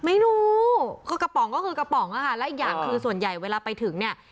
ไม่รู้คือกระป๋องก็คือกระป๋องอะค่ะแล้วอีกอย่างคือส่วนใหญ่เวลาไปถึงเนี่ย